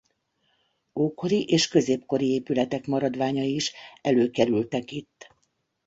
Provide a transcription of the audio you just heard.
Ókori és középkori épületek maradványai is előkerültek itt.